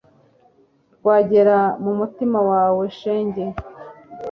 rwagera m'umutima wawe shenge